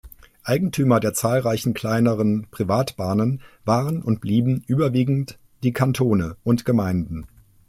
Eigentümer der zahlreichen kleineren Privatbahnen waren und blieben überwiegend die Kantone und Gemeinden.